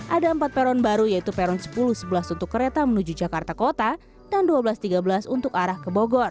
ada empat peron baru yaitu peron sepuluh sebelas untuk kereta menuju jakarta kota dan dua belas tiga belas untuk arah ke bogor